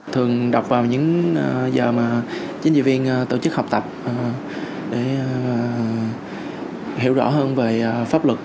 thường đọc vào những giờ mà chính diễn viên tổ chức học tập để hiểu rõ hơn về pháp luật